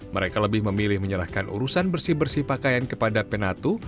mereka lebih memilih menyerahkan urusan bersih bersih pakaian kepada penatu